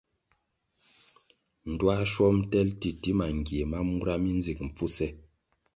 Ndtuāschwom tel titima ngie ma mura mi nzig mpfuse.